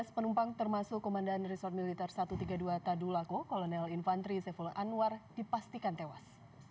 tiga belas penumpang termasuk komandan resort militer satu ratus tiga puluh dua tadulako kolonel infantri saiful anwar dipastikan tewas